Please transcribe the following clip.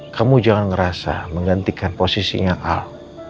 kamu jangan ngerasa menggantikan posisinya al